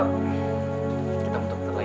kita muter muter lagi ya